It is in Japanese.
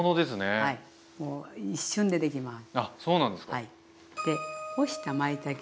はい。